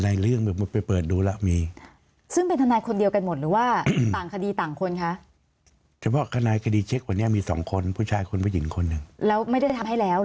แล้วไม่ได้ทำให้แล้วหรือยังไง